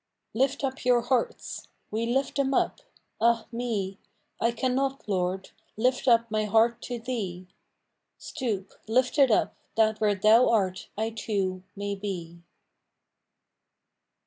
" Lift up your hearts "—" We lift them up "— ah me ! I cannot, Lord, lift up my heart to Thee ; Stoop, lift it up, that where Thou art I too may be.